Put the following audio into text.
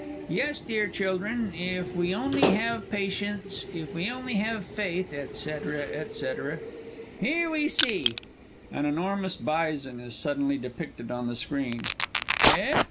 Yes, dear children, if we only have patience, if we only have faith, &c., &c. Here we see (an enormous Bison is suddenly depicted on the screen) eh?